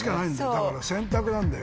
だから選択なんだよ。